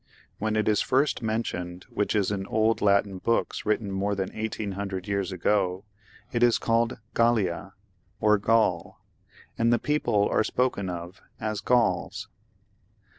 When it is first mentioned, which is in old Latin books written more than 1800 years ago, it is called Gallia, or Gaul, and the people are spoken of as Gauls.